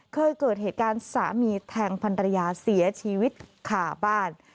เคยเกิดเหตุการณ์สามีแทงพันรยาเสียชีวิตขาบ้าน